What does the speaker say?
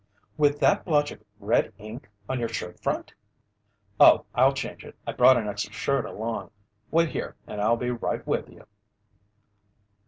"With that blotch of red ink on your shirt front?" "Oh, I'll change it. I brought an extra shirt along. Wait here and I'll be right with you."